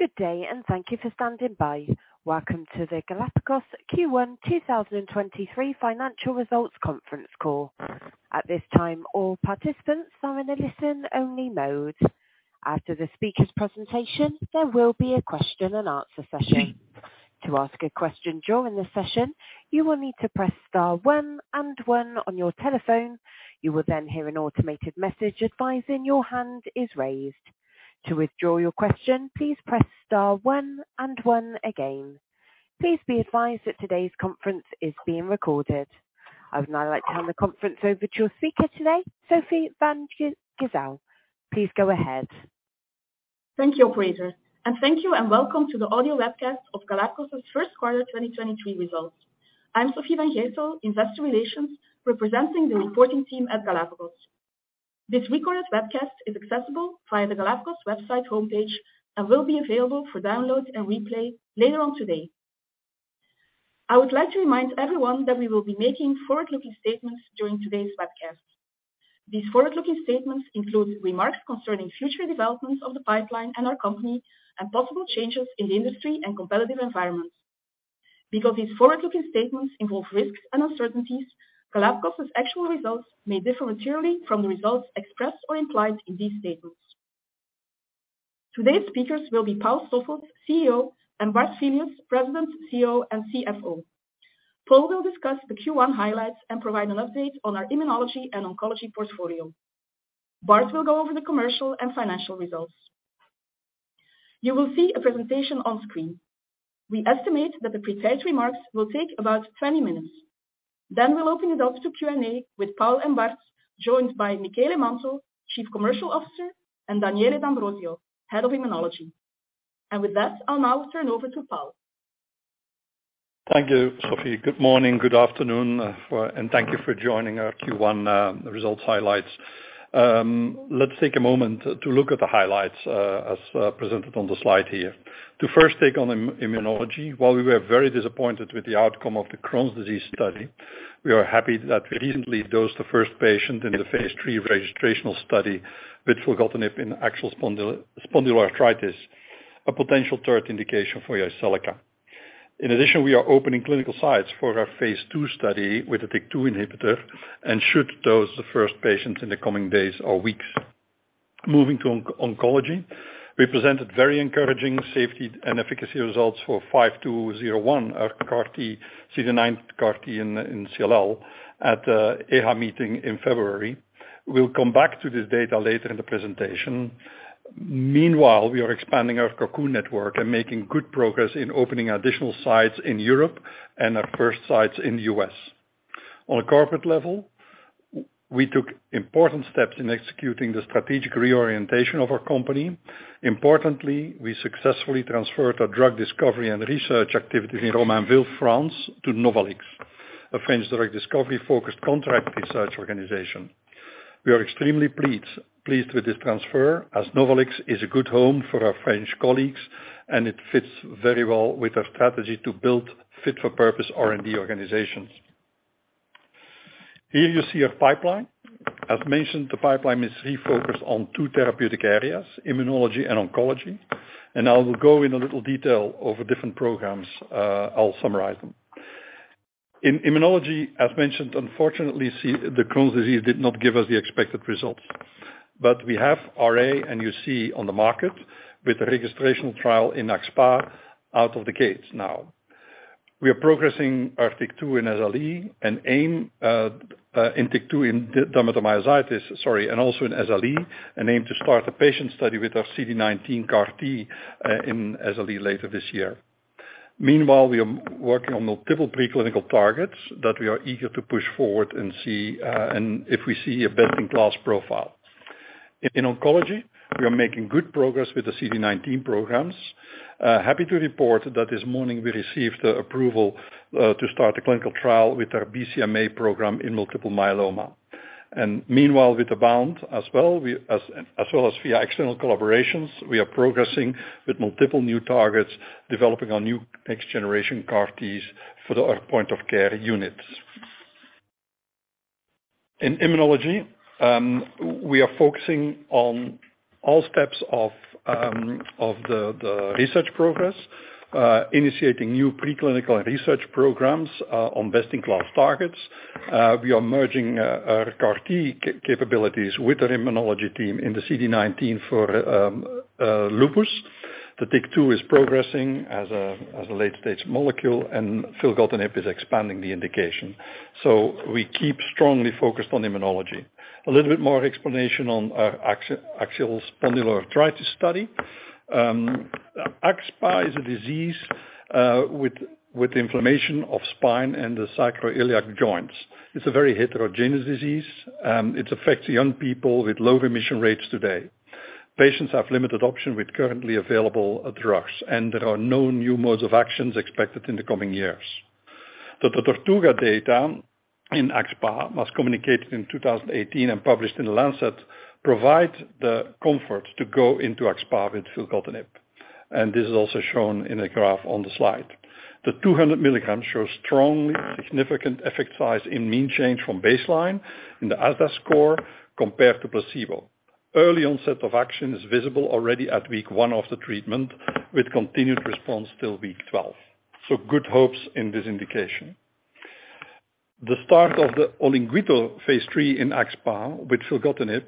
Good day, thank you for standing by. Welcome to the Galapagos Q1 2023 financial results Conference Call. At this time, all participants are in a listen-only mode. After the speaker's presentation, there will be a question-and-answer session. To ask a question during the session, you will need to press * one and one on your telephone. You will hear an automated message advising your hand is raised. To withdraw your question, please press * one and one again. Please be advised that today's conference is being recorded. I would now like to hand the conference over to our speaker today, Sofie Van Gijsel. Please go ahead. Thank you, operator, and thank you and welcome to the audio webcast of Galapagos's 1st quarter 2023 results. I'm Sofie Van Gijsel, Investor Relations, representing the reporting team at Galapagos. This recorded webcast is accessible via the Galapagos website homepage and will be available for download and replay later on today. I would like to remind everyone that we will be making forward-looking statements during today's webcast. These forward-looking statements include remarks concerning future developments of the pipeline and our company and possible changes in the industry and competitive environments. Because these forward-looking statements involve risks and uncertainties, Galapagos's actual results may differ materially from the results expressed or implied in these statements. Today's speakers will be Paul Stoffels, CEO, and Bart Filius, President, CEO, and CFO. Paul will discuss the Q1 highlights and provide an update on our immunology and oncology portfolio. Bart will go over the commercial and financial results. You will see a presentation on screen. We estimate that the prepared remarks will take about 20 minutes. We'll open it up to Q&A with Paul and Bart, joined by Michele Manto, Chief Commercial Officer, and Daniele D'Ambrosio, Head of Immunology. With that, I'll now turn over to Paul. Thank you, Sophie. Good morning. Good afternoon. Thank you for joining our Q1 results highlights. Let's take a moment to look at the highlights as presented on the slide here. To first take on immunology, while we were very disappointed with the outcome of the Crohn's disease study, we are happy that we recently dosed the first patient in the phase III registrational study with filgotinib in axial spondyloarthritis, a potential third indication for Jyseleca. In addition, we are opening clinical sites for our phase II study with the TYK2 inhibitor and should dose the first patient in the coming days or weeks. Moving to oncology, we presented very encouraging safety and efficacy results for GLPG5201, our CAR T, CD19 CAR T in CLL at the EBMT-EHA meeting in February. We'll come back to this data later in the presentation. Meanwhile, we are expanding our Cocoon network and making good progress in opening additional sites in Europe and our first sites in the U.S. On a corporate level, we took important steps in executing the strategic reorientation of our company. Importantly, we successfully transferred our drug discovery and research activities in Romainville, France, to NovAliX, a French drug discovery-focused contract research organization. We are extremely pleased with this transfer as NovAliX is a good home for our French colleagues, and it fits very well with our strategy to build fit-for-purpose R&D organizations. Here you see a pipeline. As mentioned, the pipeline is refocused on two therapeutic areas, immunology and oncology. I will go in a little detail over different programs, I'll summarize them. In immunology, as mentioned, unfortunately, the Crohn's disease did not give us the expected results. We have RA and UC on the market with a registrational trial in axSpA out of the gates now. We are progressing our TYK2 in SLE and aim in TYK2 in dermatomyositis, sorry, and also in SLE, and aim to start a patient study with our CD19 CAR-T in SLE later this year. Meanwhile, we are working on multiple pre-clinical targets that we are eager to push forward and see and if we see a best-in-class profile. In oncology, we are making good progress with the CD19 programs. Happy to report that this morning we received approval to start a clinical trial with our BCMA program in multiple myeloma. Meanwhile, with Abound as well, we, as well as via external collaborations, we are progressing with multiple new targets, developing our new next-generation CAR-Ts for our point-of-care units. In immunology, we are focusing on all steps of the research progress, initiating new pre-clinical research programs on best-in-class targets. We are merging our CAR-T capabilities with our immunology team in CD19 for lupus. The TYK2 is progressing as a late-stage molecule, and filgotinib is expanding the indication. We keep strongly focused on immunology. A little bit more explanation on our axial spondyloarthritis study. AxSpA is a disease with inflammation of the spine and the sacroiliac joints. It's a very heterogeneous disease. It affects young people with low remission rates today. Patients have limited options with currently available drugs, and there are no new modes of action expected in the coming years. The TORTUGA data in axSpA, as communicated in 2018 and published in The Lancet, provide the comfort to go into axSpA with filgotinib. This is also shown in a graph on the slide. The 200 milligrams shows strong, significant effect size in mean change from baseline in the ASDAS score compared to placebo. Early onset of action is visible already at week 1 of the treatment, with continued response till week 12. Good hopes in this indication. The start of the Olinguito Phase III in axSpA with filgotinib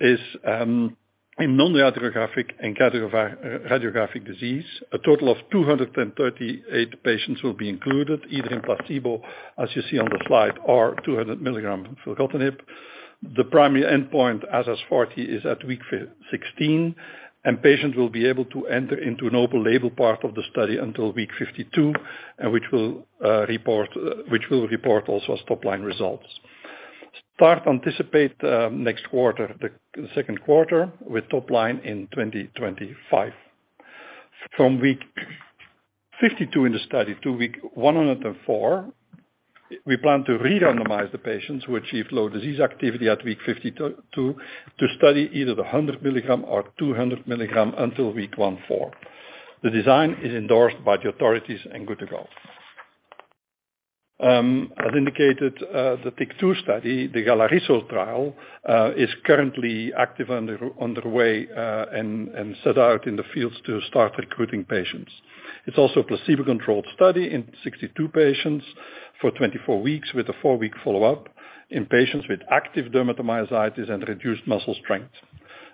is a non-radiographic and radiographic disease. A total of 238 patients will be included, either in a placebo, as you see on the slide, or 200 milligram filgotinib. The primary endpoint, as is 40, is at week 16. Patients will be able to enter into an open-label part of the study until week 52, and which will report also as top-line results. Start anticipate next quarter, the Q2, with a top line in 2025. From week 52 in the study to week 104, we plan to re-randomize the patients who achieve low disease activity at week 52 to study either the 100 milligram or 200 milligram until week 104. The design is endorsed by the authorities in Guttegolf. As indicated, the TAKE-2 study, the Galariso trial, is currently active on the way, and set out in the fields to start recruiting patients. It's also a placebo-controlled study in 62 patients for 24 weeks with a 4-week follow-up in patients with active dermatomyositis and reduced muscle strength.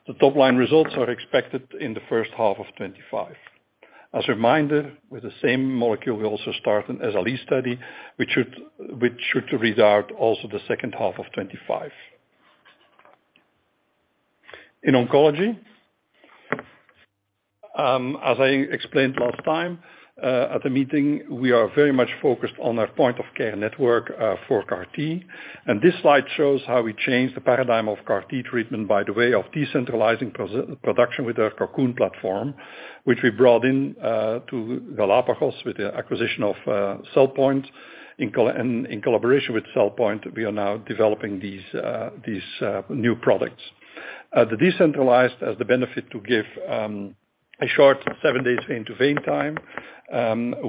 The top-line results are expected in the first half of 2025. As a reminder, with the same molecule, we also start an SLE study, which should read out also the second half of 2025. In oncology, as I explained last time, at the meeting, we are very much focused on our point-of-care network for CAR-T. This slide shows how we change the paradigm of CAR-T treatment by the way of decentralizing pro-production with our Cocoon platform, which we brought into Galapagos with the acquisition of CellPoint. In collaboration with CellPoint, we are now developing these new products. The decentralized has the benefit to give a short 7-days vein-to-vein time.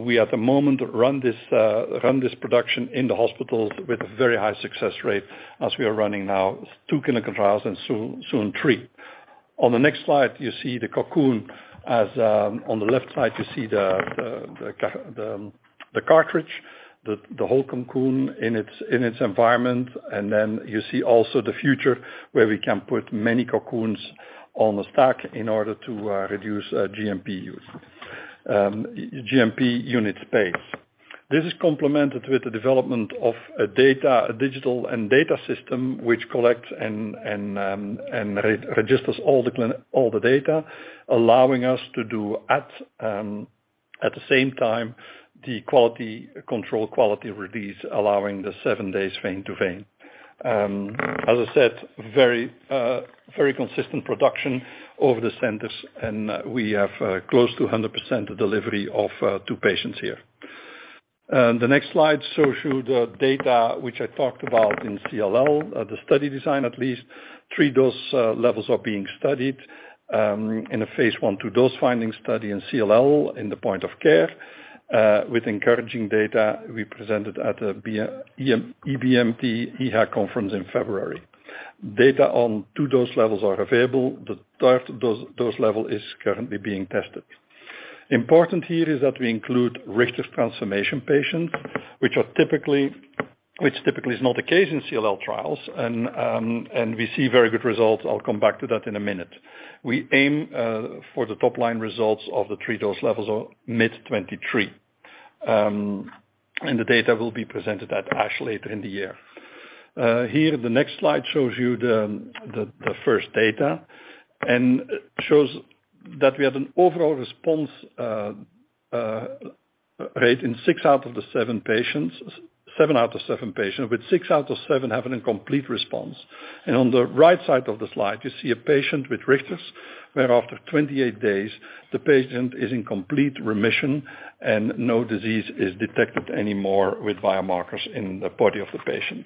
We at the moment run this production in the hospitals with a very high success rate as we are running now 2 clinical trials and soon 3. On the next slide, you see the Cocoon as on the left side, you see the cartridge, the whole Cocoon in its environment. Then you see also the future where we can put many Cocoons on a stack in order to reduce GMP use, GMP unit space. This is complemented with the development of a digital and data system which collects and re-registers all the data, allowing us to do at the same time the quality control, quality release, allowing the 7 days vein to vein. As I said, very consistent production over the centers, and we have close to 100% delivery to patients here. The next slide shows you the data which I talked about in CLL, the study design, at least. 3 dose levels are being studied in a Phase I/II dose finding study in CLL in the point-of-care, with encouraging data we presented at the EBMT-EHA conference in February. Data on 2 dose levels are available. The 3rd dose level is currently being tested. Important here is that we include Richter's transformation patients, which typically is not the case in CLL trials, we see very good results. I'll come back to that in a minute. We aim for the top-line results of the 3 dose levels of mid-2023. The data will be presented at ASH later in the year. Here, the next slide shows you the first data and shows that we have an overall response rate in 7 out of 7 patients, with 6 out of 7 having a complete response. On the right side of the slide, you see a patient with Richter's, where after 28 days, the patient is in complete remission and no disease is detected anymore with biomarkers in the body of the patient.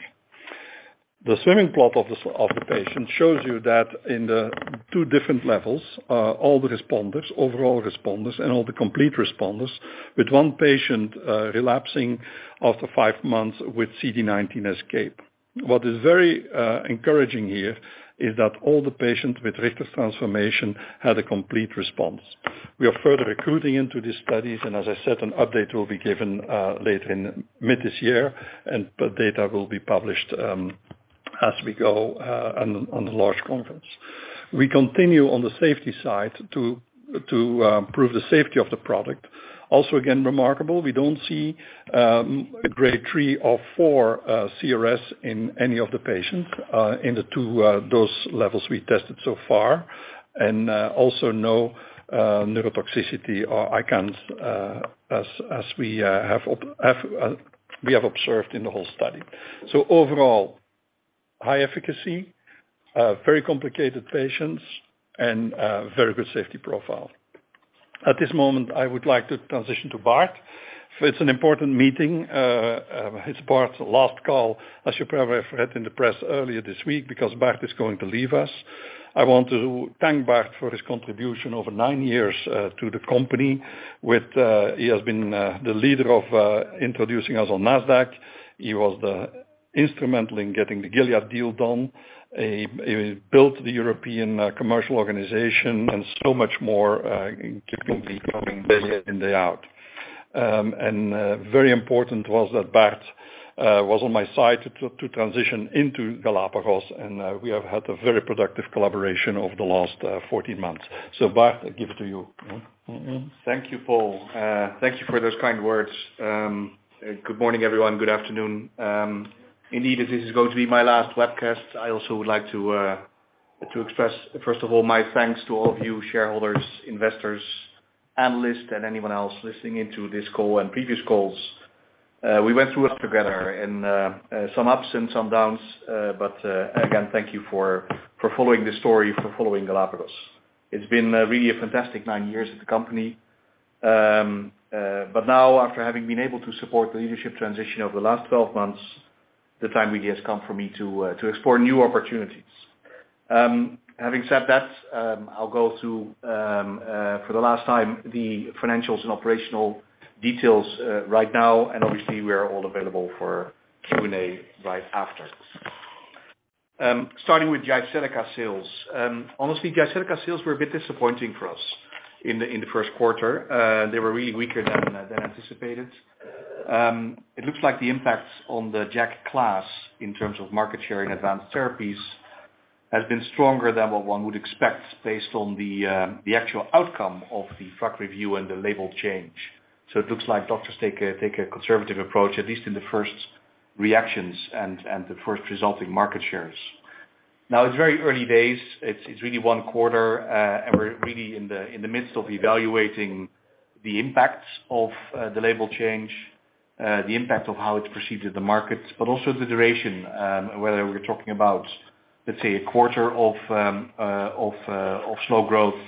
The swimming plot of the patient shows you that in the two different levels, all the responders, overall responders and all the complete responders, with one patient relapsing after five months with CD19 escape. What is very encouraging here is that all the patients with Richter's transformation had a complete response. We are further recruiting into these studies, and as I said, an update will be given later in mid this year, and the data will be published as we go on the large conference. We continue on the safety side to prove the safety of the product. Again, remarkable, we don't see a grade three or four CRS in any of the patients in the two dose levels we tested so far, and also no neurotoxicity or ICANS as we have observed in the whole study. Overall, high efficacy, very complicated patients and very good safety profile. At this moment, I would like to transition to Bart Filius. It's an important meeting. It's Bart Filius' last call, as you probably have read in the press earlier this week, because Bart Filius is going to leave us. I want to thank Bart Filius for his contribution over nine years to the company with he has been the leader of introducing us on Nasdaq. He was instrumental in getting the Gilead deal done. He built the European commercial organization and so much more, in keeping me coming day in and day out. Very important was that Bart was on my side to transition into Galapagos, and we have had a very productive collaboration over the last 14 months. Bart, I give it to you. Thank you, Paul. Thank you for those kind words. Good morning, everyone. Good afternoon. Indeed, this is going to be my last webcast. I also would like to express, first of all, my thanks to all of you shareholders, investors, analysts, and anyone else listening into this call and previous calls. We went through it together and some ups and some downs, but again, thank you for following this story, for following Galapagos. It's been really a fantastic nine years at the company. But now, after having been able to support the leadership transition over the last 12 months, the time really has come for me to explore new opportunities. Having said that, I'll go through for the last time the financials and operational details right now. Obviously, we are all available for Q&A right after. Starting with Jyseleca's sales. Honestly, Jyseleca sales were a bit disappointing for us in the Q1. They were really weaker than anticipated. It looks like the impact on the JAK class in terms of market share in advanced therapies has been stronger than what one would expect based on the actual outcome of the drug review and the label change. It looks like doctors take a conservative approach, at least in the first reactions and the first resulting market shares. It's very early days. It's really 1 quarter, we're really in the midst of evaluating the impacts of the label change, the impact of how it's perceived in the markets, but also the duration, whether we're talking about, let's say, a quarter of slow growth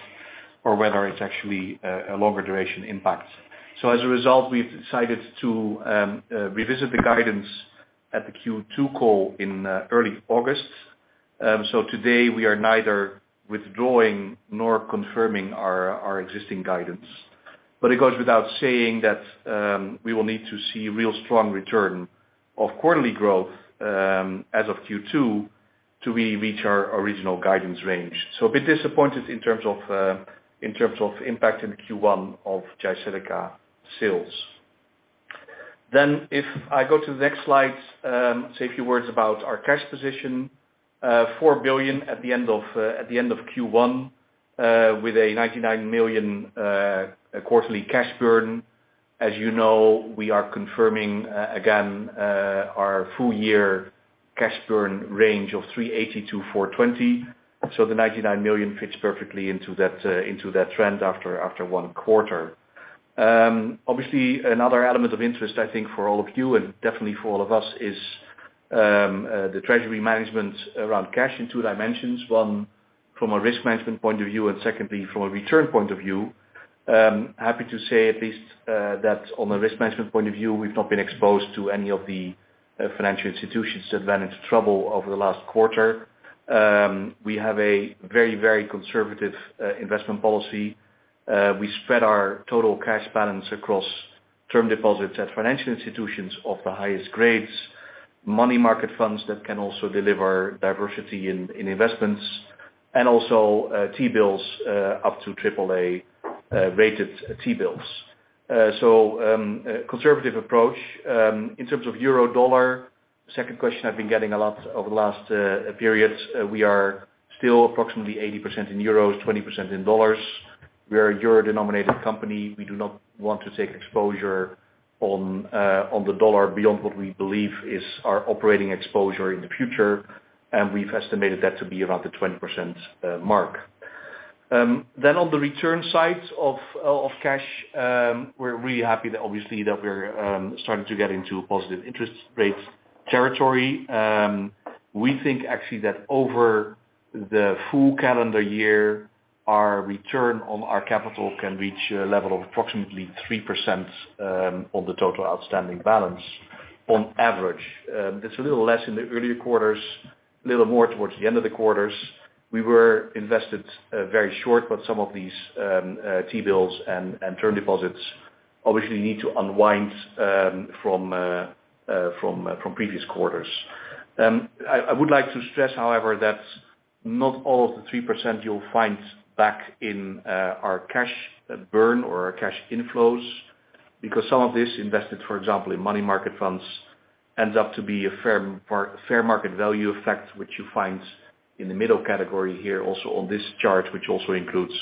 or whether it's actually a longer duration impact. As a result, we've decided to revisit the guidance at the Q2 call in early August. Today we are neither withdrawing nor confirming our existing guidance. It goes without saying that we will need to see real strong return of quarterly growth as of Q2 to really reach our original guidance range. A bit disappointed in terms of the impact in Q1 of Jyseleca sales. If I go to the next slide, say a few words about our cash position, 4 billion at the end of Q1, with a 99 million quarterly cash burn. As you know, we are confirming again our full-year cash burn range of 380 million-420 million. The 99 million fits perfectly into that trend after one quarter. Obviously, another element of interest, I think for all of you and definitely for all of us is the treasury management around cash in two dimensions, one from a risk management point of view and secondly, from a return point of view. Happy to say at least that on a risk management point of view, we've not been exposed to any of the financial institutions that ran into trouble over the last quarter. We have a very conservative investment policy. We spread our total cash balance across term deposits at financial institutions of the highest grades, money market funds that can also deliver diversity in investments, and also T-bills, up to triple-A-rated T-bills. Conservative approach. In terms of euro dollar, the second question I've been getting a lot over the last periods, we are still approximately 80% in euros, 20% in dollars. We are a euro-denominated company. We do not want to take exposure on the USD beyond what we believe is our operating exposure in the future, and we've estimated that to be around the 20% mark. On the return side of cash, we're really happy that obviously that we're starting to get into positive interest rates territory. We think actually that over the full calendar year, our return on our capital can reach a level of approximately 3% on the total outstanding balance on average. It's a little less in the earlier quarters, a little more towards the end of the quarters. We were invested very short with some of these T-bills and term deposits obviously need to unwind from previous quarters. I would like to stress, however, that not all of the 3% you'll find back in our cash burn or our cash inflows, because some of this invested, for example, in money market funds ends up to be a fair market value effect, which you find in the middle category here also on this chart, which also includes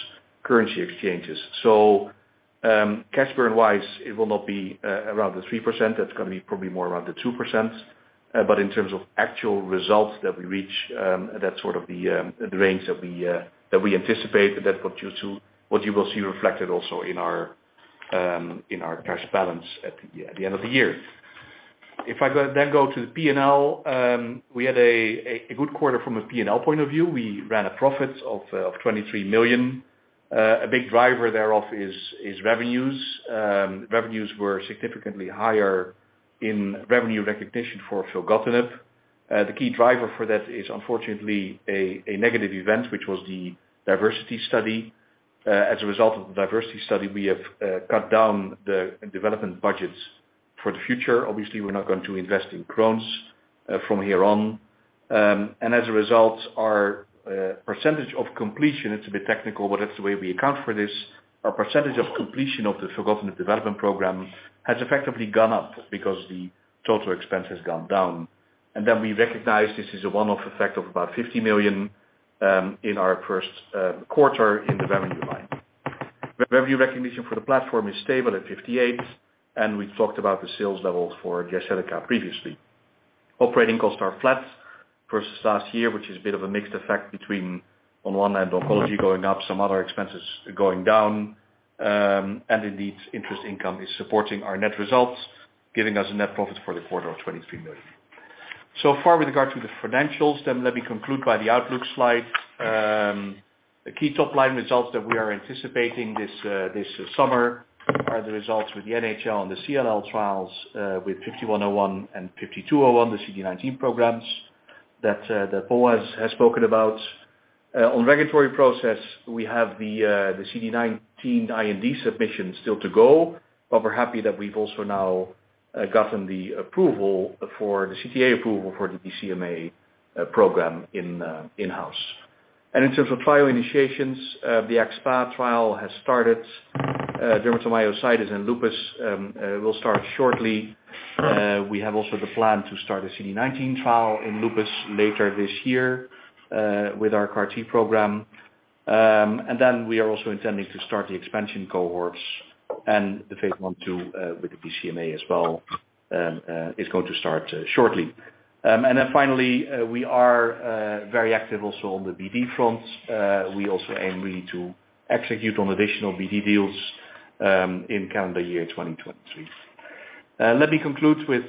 currency exchanges. Cash burn-wise, it will not be around the 3%. That's gonna be probably more around the 2%. In terms of actual results that we reach, that's sort of the range that we anticipate, that contributes to what you will see reflected also in our cash balance at the end of the year. If I then go to the P&L, we had a good quarter from a P&L point of view. We ran a profit of 23 million. A big driver thereof is revenues. Revenues were significantly higher in revenue recognition for filgotinib. The key driver for that is unfortunately a negative event, which was the DIVERSITY study. As a result of the DIVERSITY study, we have cut down the development budgets for the future. Obviously, we're not going to invest in Crohn's from here on. As a result, our percentage of completion, it's a bit technical, but that's the way we account for this. Our percentage of completion of the filgotinib development program has effectively gone up because the total expense has gone down. We recognize this is a one-off effect of about 50 million in our Q1 in the revenue line. Revenue recognition for the platform is stable at 58 million, and we've talked about the sales levels for Jyseleca previously. Operating costs are flat versus last year, which is a bit of a mixed effect between, on one hand, oncology going up, some other expenses going down, and indeed, interest income is supporting our net results, giving us a net profit for the quarter of 23 million. Let me conclude by the outlook slide. The key top-line results that we are anticipating this summer are the results with the NHL and the CLL trials with GLPG5101 and GLPG5201, the CD19 programs that Paul has spoken about. On regulatory process, we have the CD19 IND submission still to go, but we're happy that we've also now gotten the CTA approval for the BCMA program in in-house. In terms of trial initiations, the AxSpA trial has started. Dermatomyositis and lupus will start shortly. We have also the plan to start a CD19 trial in lupus later this year with our CAR-T program. We are also intending to start the expansion cohorts and the phase I/II with the BCMA as well is going to start shortly. Finally, we are also very active on the BD front. We also aim really to execute on additional BD deals in calendar year 2023. Let me conclude with,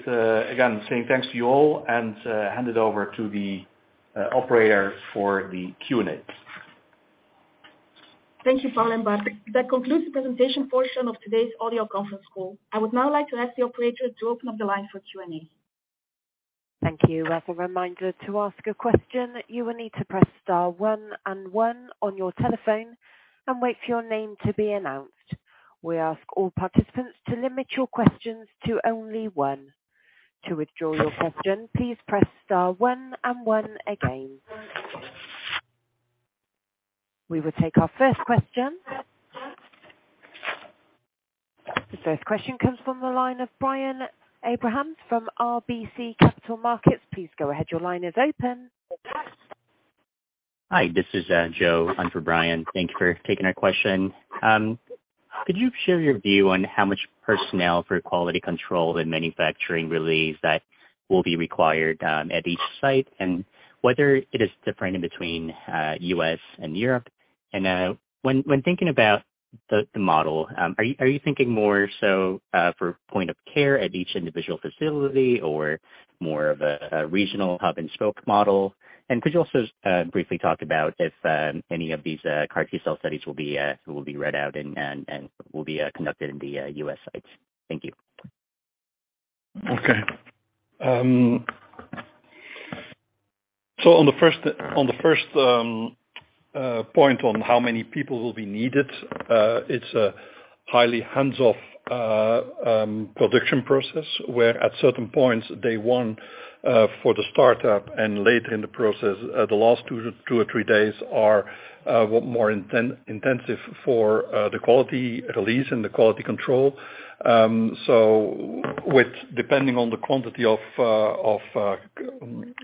again, saying thanks to you all and hand it over to the operator for the Q&A. Thank you, Paul and Bart. That concludes the presentation portion of today's audio Conference Call. I would now like to ask the operator to open up the line for Q&A. Thank you. As a reminder, to ask a question, you will need to press *1 and 1 on your telephone and wait for your name to be announced. We ask all participants to limit your questions to only 1. To withdraw your question, please press *1 and 1 again. We will take our first question. The first question comes from the line of Brian Abrahams from RBC Capital Markets. Please go ahead. Your line is open. Hi, this is Joe on for Brian. Thank you for taking our question. Could you share your view on how much personnel for quality control and manufacturing release that will be required at each site and whether it is different in between U.S. and Europe? When thinking about the model, are you thinking more so for a point-of-care at each individual facility or more of a regional hub and spoke model? Could you also briefly talk about if any of these CAR-T cell studies will be read out and will be conducted in the U.S. sites? Thank you. Okay. On the first point on how many people will be needed, it's a highly hands-off production process, where at certain points, day one, for the start-up and later in the process, the last two or three days are more intensive for the quality release and the quality control. With depending on the quantity of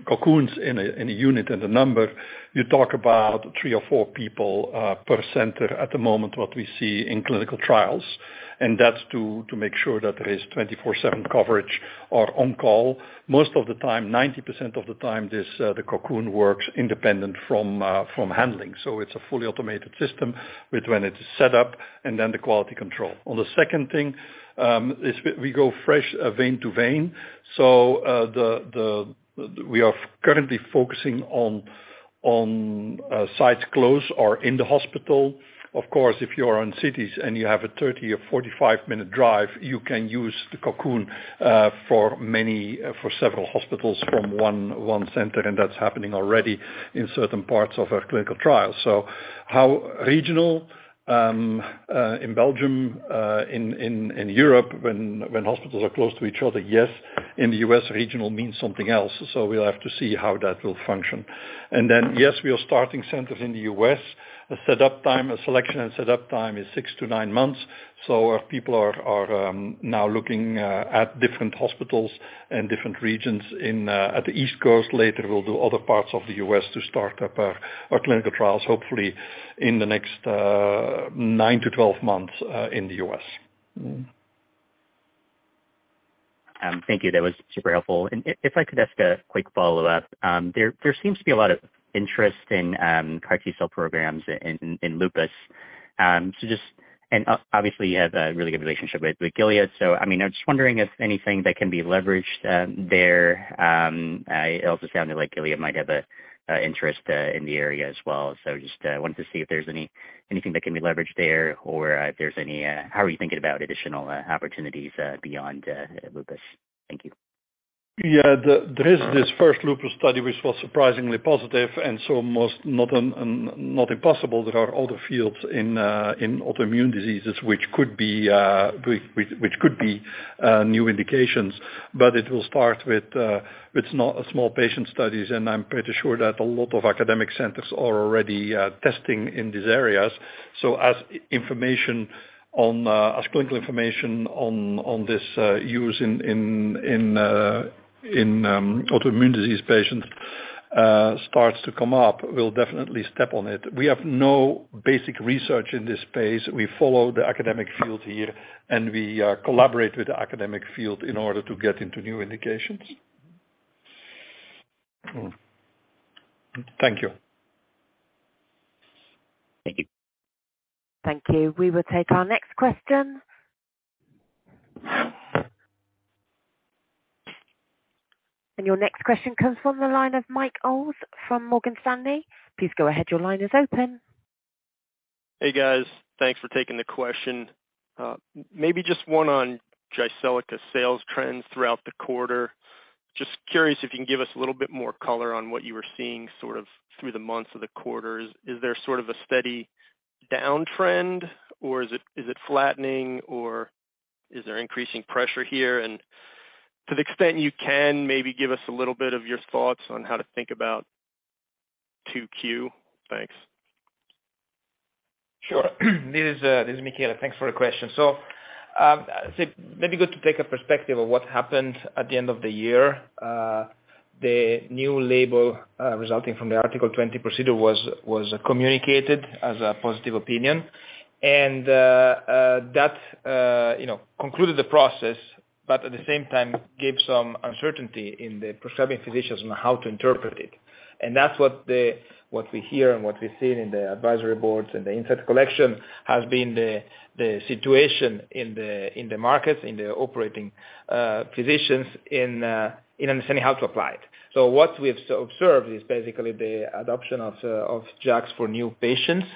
Cocoons in a unit and the number, you talk about three or four people per center at the moment, what we see in clinical trials. That's to make sure that there is 24/7 coverage or on-call. Most of the time, 90% of the time, this the Cocoon works independent from handling. It's a fully automated system with when it's set up and then the quality control. On the second thing, we go fresh vein to vein. We are currently focusing on sites close or in the hospital. Of course, if you are in cities and you have a 30 or 45-minute drive, you can use the Cocoon, for many, for several hospitals from one center, and that's happening already in certain parts of our clinical trial. How regional in Belgium, in Europe, when hospitals are close to each other, yes. In the U.S., regional means something else. We'll have to see how that will function. Yes, we are starting centers in the U.S. A set-up time, a selection and set-up time is 6 to 9 months. Our people are now looking at different hospitals and different regions in at the East Coast. Later, we'll do other parts of the U.S. to start-up our clinical trials, hopefully in the next 9-12 months in the U.S. Thank you. That was super helpful. If I could ask a quick follow-up. There seems to be a lot of interest in CAR-T cell programs in lupus. Just. Obviously you have a really good relationship with Gilead. I mean, I'm just wondering if anything that can be leveraged there. It also sounded like Gilead might have a interest in the area as well. Just, wanted to see if there's anything that can be leveraged there or if there's any... How are you thinking about additional opportunities beyond lupus? Thank you. Yeah. There is this first lupus study which was surprisingly positive and most not impossible. There are other fields in autoimmune diseases which could be, which could be new indications. It will start with small patient studies, and I'm pretty sure that a lot of academic centers are already testing in these areas. As information on, as clinical information on this use in autoimmune disease patients starts to come up, we'll definitely step on it. We have no basic research in this space. We follow the academic field here, and we collaborate with the academic field in order to get into new indications. Thank you. Thank you. Thank you. We will take our next question. Your next question comes from the line of Mike Olds from Morgan Stanley. Please go ahead. Your line is open. Hey, guys. Thanks for taking the question. maybe just one on Jyseleca sales trends throughout the quarter. Just curious if you can give us a little bit more color on what you were seeing sort of through the months of the quarters. Is there sort of a steady downtrend, or is it flattening, or is there increasing pressure here? To the extent you can, maybe give us a little bit of your thoughts on how to think about 2Q? Thanks. Sure. This is Michele. Thanks for the question. Maybe good to take a perspective of what happened at the end of the year. The new label, resulting from the Article 20 procedure was communicated as a positive opinion. That, you know, concluded the process, but at the same time, gave some uncertainty in the prescribing physicians on how to interpret it. That's what we hear and what we've seen in the advisory boards and the insight collection has been the situation in the markets, in the operating physicians in understanding how to apply it. What we have observed is basically the adoption of JAKs for new patients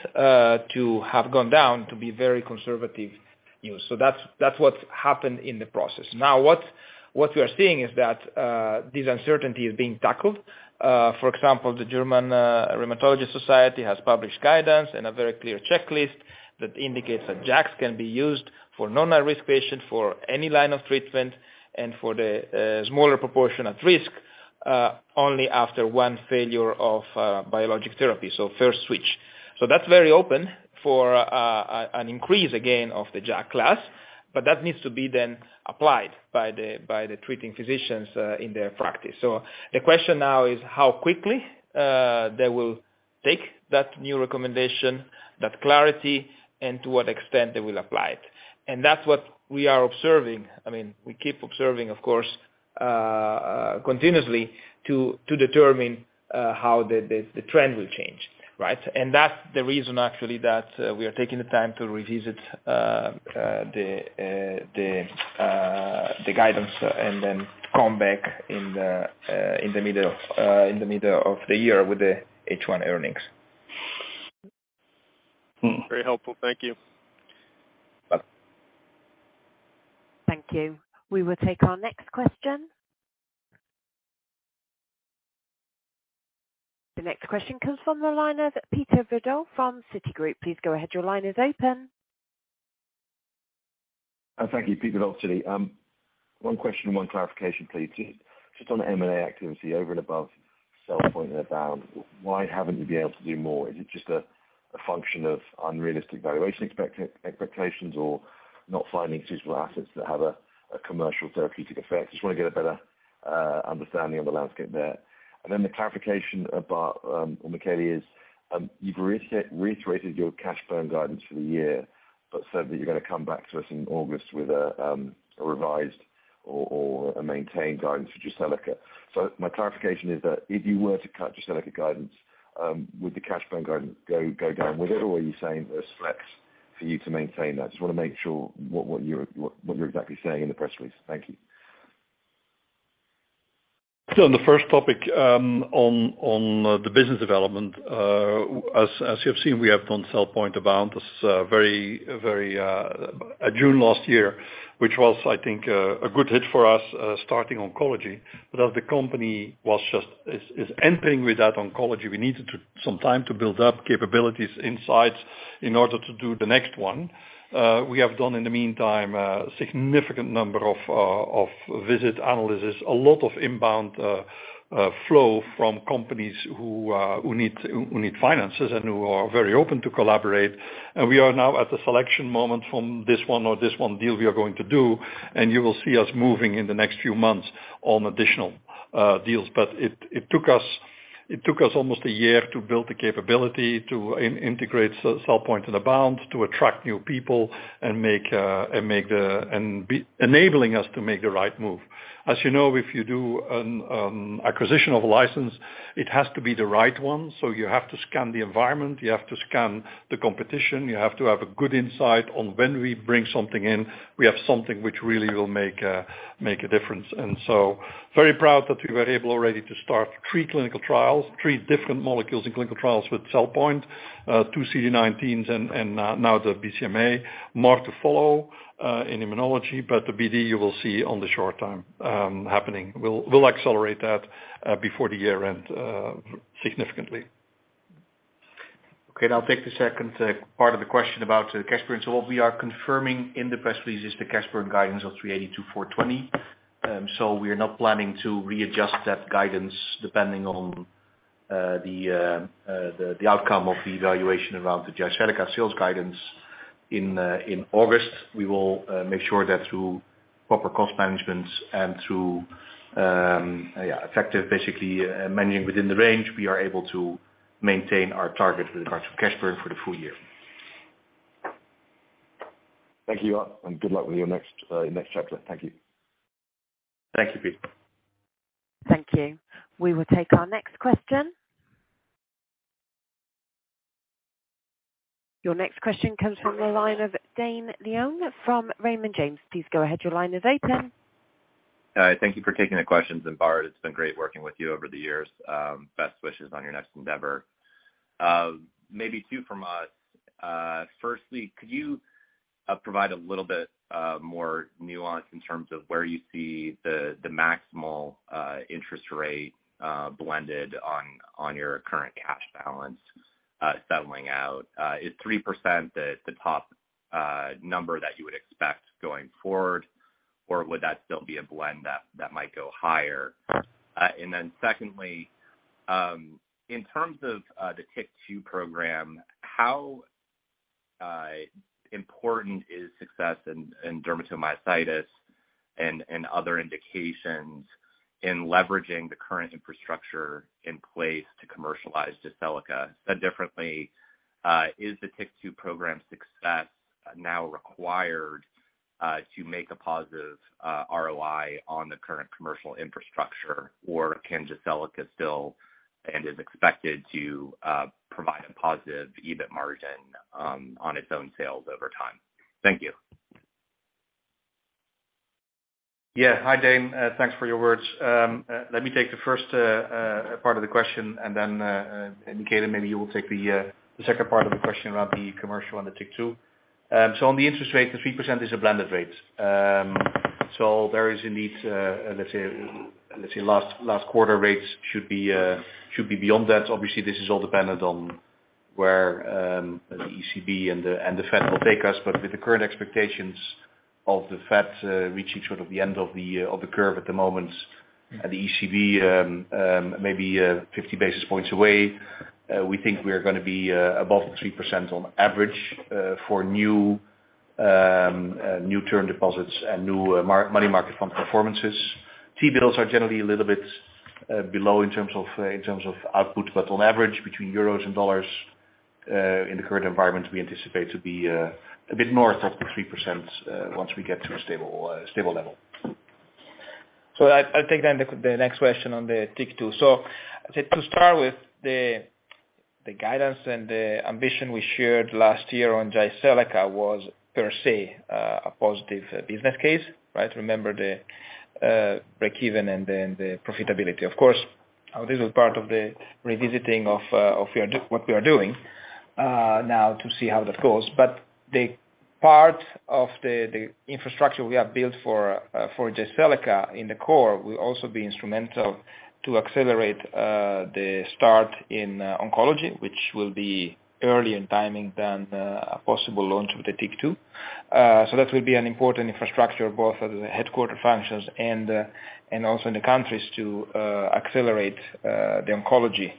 to have gone down to be very conservative use. That's what happened in the process. Now, what we are seeing is that this uncertainty is being tackled. For example, the German Society for Rheumatology has published guidance and a very clear checklist that indicates that JAKs can be used for non-risk patients for any line of treatment and for the smaller proportion at risk, only after one failure of biologic therapy, so first switch. That's very open for an increase again of the JAK class, but that needs to be then applied by the treating physicians in their practice. The question now is how quickly they will take that new recommendation, that clarity, and to what extent they will apply it. That's what we are observing. I mean, we keep observing, of course, continuously to determine how the trend will change, right? That's the reason actually that we are taking the time to revisit the guidance and then come back in the middle of the year with the H1 earnings. Very helpful. Thank you. Bye. Thank you. We will take our next question. The next question comes from the line of Peter Verdult from Citigroup. Please go ahead. Your line is open. Thank you. Peter Verdult, Citi. One question, one clarification, please. Just on the M&A activity over and above CellPoint and Abound, why haven't you been able to do more? Is it just a function of unrealistic valuation expectations or not finding suitable assets that have a commercial therapeutic effect? Just wanna get a better understanding of the landscape there. The clarification about Michele is, you've reiterated your cash burn guidance for the year, but said that you're gonna come back to us in August with a revised or a maintained guidance for Jyseleca. My clarification is that if you were to cut Jyseleca guidance, would the cash burn guidance go down with it? Are you saying there's flex for you to maintain that? Just wanna make sure what you're exactly saying in the press release. Thank you. On the first topic, the business development, as you have seen, we have done CellPoint, AboundBio this June last year, which was, I think, a good hit for us, starting oncology. As the company is entering the oncology, we needed to some time to build up capabilities, insights in order to do the next one. We have done in the meantime, a significant number of visit analysis, a lot of inbound flow from companies who need finances and who are very open to collaborate. We are now at the selection moment from this one or this one deal we are going to do, and you will see us moving in the next few months on additional deals. it took us almost a year to build the capability to integrate CellPoint and AboundBio, to attract new people and be enabling us to make the right move. As you know, if you do an acquisition of a license, it has to be the right one. You have to scan the environment, you have to scan the competition, you have to have a good insight on when we bring something in. We have something which really will make a difference. Very proud that we were able already to start three clinical trials, three different molecules in clinical trials with CellPoint, two CD19s and now the BCMA. More to follow in immunology. The BD, you will see on the short time happening. We'll accelerate that before the year end significantly. Okay. I'll take the second part of the question about cash burn. What we are confirming in the press release is the cash burn guidance of 382-420. We are not planning to readjust that guidance depending on the outcome of the evaluation around the Jyseleca sales guidance in August. We will make sure that through proper cost management and through, yeah, effective, basically, managing within the range, we are able to maintain our target with regards to cash burn for the full year. Thank you. Good luck with your next, your next chapter. Thank you. Thank you, Pete. Thank you. We will take our next question. Your next question comes from the line of Dane Leone from Raymond James. Please go ahead. Your line is open. Thank you for taking the questions. Bart, it's been great working with you over the years. Best wishes on your next endeavor. Maybe two from us. Firstly, could you provide a little bit more nuance in terms of where you see the maximum interest rate blended on your current cash balance settling out. Is 3% the top number that you would expect going forward, or would that still be a blend that might go higher? Secondly, in terms of the TYK2 program, how important is success in dermatomyositis and other indications in leveraging the current infrastructure in place to commercialize Jyseleca? Said differently, is the TYK2 program success now required to make a positive ROI on the current commercial infrastructure, or can Jyseleca still and is expected to provide a positive EBIT margin on its own sales over time? Thank you. Yeah. Hi, Dane. Thanks for your words. Let me take the first part of the question, and then Michele, maybe you will take the second part of the question about the commercial on the TYK2. On the interest rate, the 3% is a blended rate. There is indeed, let's say last quarter rates should be beyond that. Obviously, this is all dependent on where the ECB and the Fed will take us. With the current expectations of the Fed, reaching sort of the end of the curve at the moment and the ECB, maybe 50 basis points away, we think we are gonna be above the 3% on average for new term deposits and new money market fund performances. T-bills are generally a little bit below in terms of output. On average, between euros and dollars, in the current environment, we anticipate to be a bit north of the 3% once we get to a stable level. I'll take then the next question on the TYK2. To start with the guidance and the ambition we shared last year on Jyseleca was per se a positive business case, right? Remember the break-even and then the profitability. Of course, this is part of the revisiting of what we are doing now to see how that goes. The part of the infrastructure we have built for for Jyseleca in the core will also be instrumental to accelerate the start in oncology, which will be early in timing than a possible launch with the TYK2. That will be an important infrastructure both at the headquarter functions and also in the countries to accelerate the oncology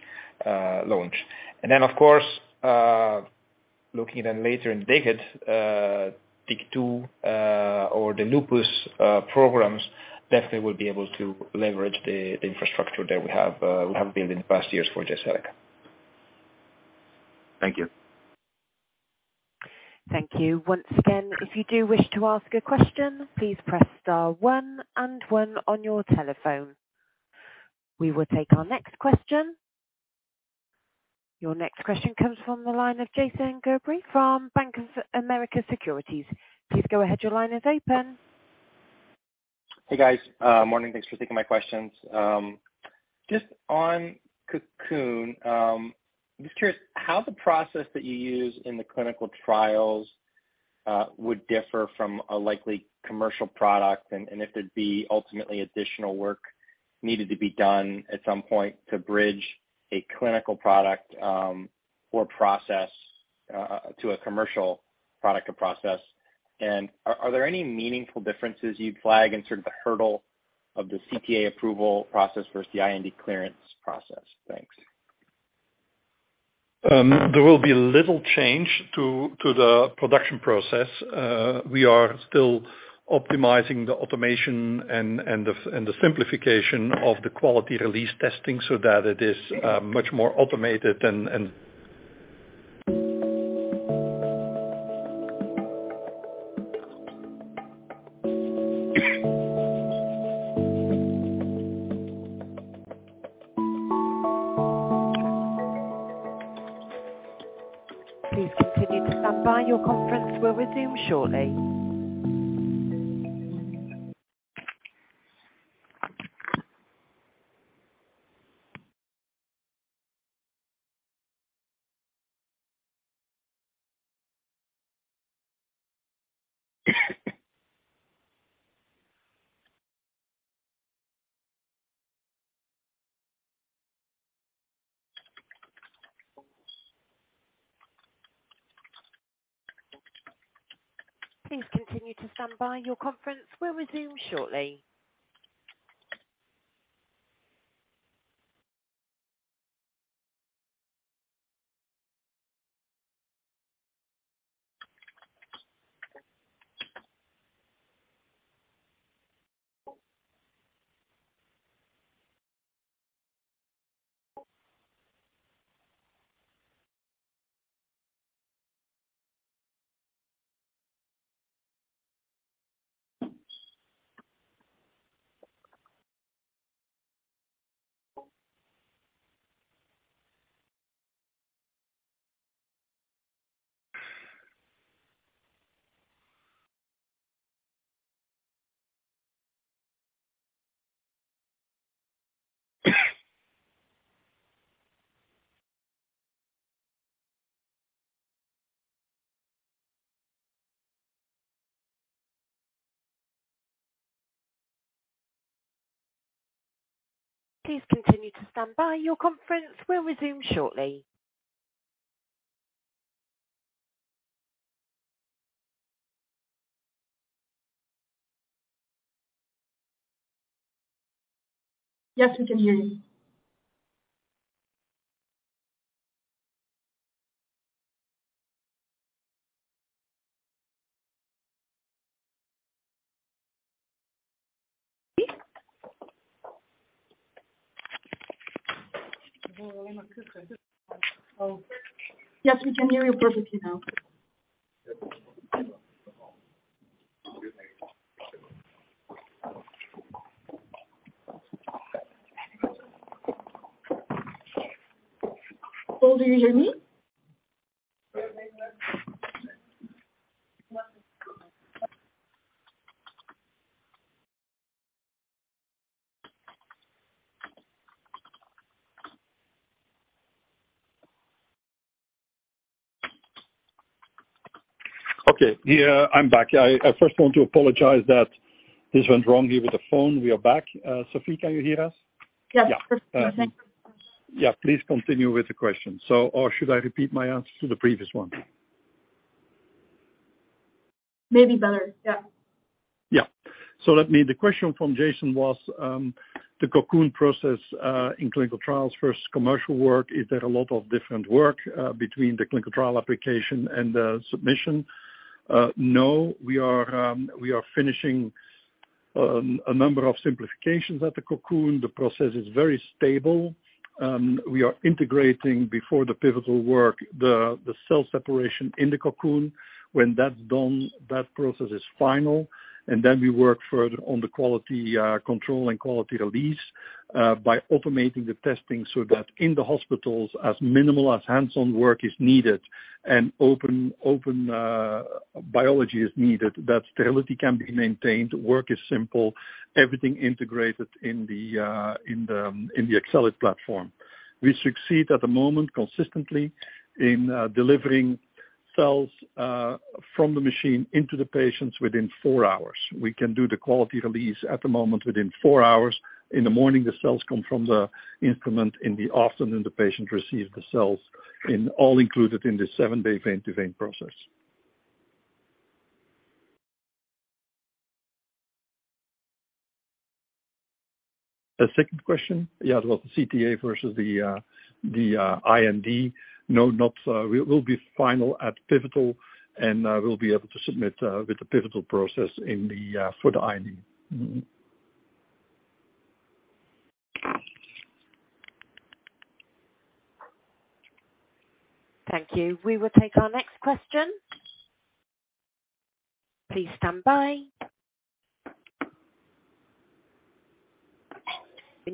launch. Of course, looking then later in the decade, TYK2, or the lupus programs definitely will be able to leverage the infrastructure that we have built in the past years for Jyseleca. Thank you. Thank you. Once again, if you do wish to ask a question, please press star one and one on your telephone. We will take our next question. Your next question comes from the line of Jason Gerberry from Bank of America Securities. Please go ahead. Your line is open. Hey, guys. Morning. Thanks for taking my questions. Just on Cocoon, I'm just curious how the process that you use in the clinical trials would differ from a likely commercial product, and if there'd be ultimately additional work needed to be done at some point to bridge a clinical product, or process, to a commercial product or process. Are there any meaningful differences you'd flag in sort of the hurdle of the CTA approval process versus the IND clearance process? Thanks. There will be little change to the production process. We are still optimizing the automation and the simplification of the quality release testing so that it is much more automated. Please continue to stand by. Your conference will resume shortly. Yes, we can hear you. Yes, we can hear you perfectly now. Paul, do you hear me? Okay. Yeah, I'm back. I first want to apologize that this went wrongly with the phone. We are back. Sofie, can you hear us? Yes. Yeah, please continue with the question. Or should I repeat my answer to the previous one? Maybe better. Yeah. Yeah. Let me. The question from Jason was the Cocoon® process in clinical trials versus commercial work. Is there a lot of different work between the clinical trial application and the submission? No, we are finishing a number of simplifications at the Cocoon®. The process is very stable. We are integrating before the Pivotal work the cell separation in the Cocoon®. When that's done, that process is final, we work further on the quality control and quality release by automating the testing so that in the hospitals as minimal as hands-on work is needed and open biology is needed, that sterility can be maintained, work is simple, everything integrated in the Excelate platform. We succeed at the moment consistently in delivering cells from the machine into the patients within 4 hours. We can do the quality release at the moment within 4 hours. In the morning, the cells come from the instrument, in the afternoon, the patient receives the cells, and all included in the 7-day vein-to-vein process. The second question? Yeah. It was the CTA versus the IND. No, not. We'll be final at Pivotal and we'll be able to submit with the Pivotal process in for the IND. Mm-hmm. Thank you. We will take our next question. Please stand by.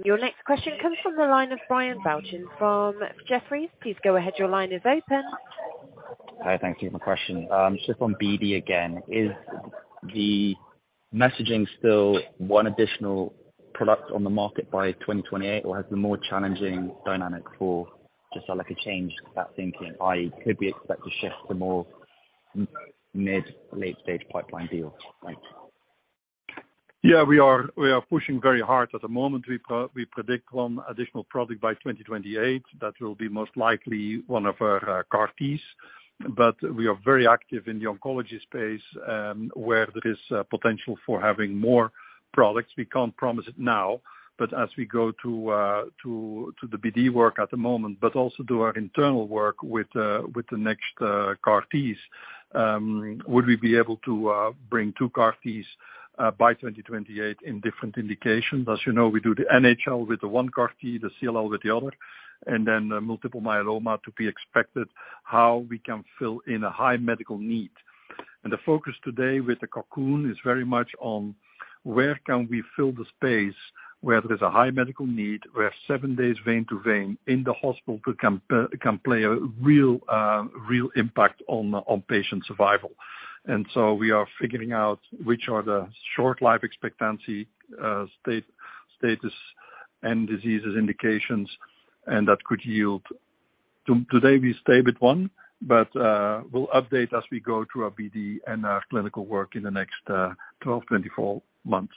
Your next question comes from the line of Brian Balchin from Jefferies. Please go ahead. Your line is open. Hi. Thank you for the question. Just on BD again. Is the messaging still one additional product on the market by 2028 or has the more challenging dynamic for just like a change to that thinking, i.e., could we expect a shift to more mid, late-stage pipeline deals? Thanks. Yeah. We are pushing very hard at the moment. We predict one additional product by 2028. That will be most likely one of our CAR-Ts. We are very active in the oncology space, where there is potential for having more products. We can't promise it now, as we go to the BD work at the moment but also do our internal work with the next CAR-Ts, would we be able to bring 2 CAR-Ts by 2028 in different indications. As you know, we do the NHL with the one CAR-T, the CLL with the other, and then the multiple myeloma to be expected, how we can fill in a high medical need. The focus today with the Cocoon is very much on where can we fill the space where there's a high medical need, where seven days vein to vein in the hospital can play a real impact on patient survival. So we are figuring out which are the short life expectancy, status and diseases indications, and that could yield. Today we stay with one, but we'll update as we go through our BD and our clinical work in the next 12, 24 months.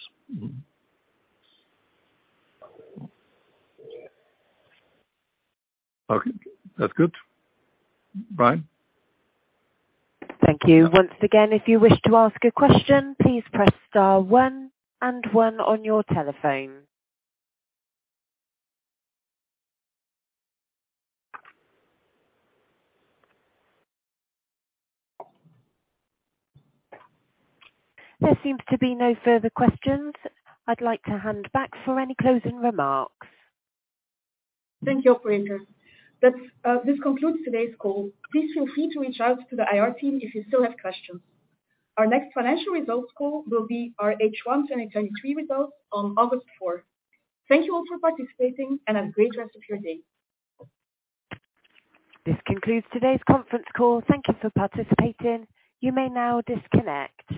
Okay. That's good. Brian? Thank you. Once again, if you wish to ask a question, please press * one and one on your telephone. There seems to be no further questions. I'd like to hand back for any closing remarks. Thank you, operator. This concludes today's call. Please feel free to reach out to the IR team if you still have questions. Our next financial results call will be our H1 2023 results on August 4th. Thank you all for participating and have a great rest of your day. This concludes today's Conference Call. Thank you for participating. You may now disconnect.